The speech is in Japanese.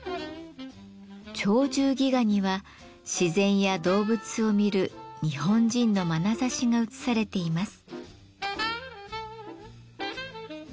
「鳥獣戯画」には自然や動物を見る日本人のまなざしが映されています。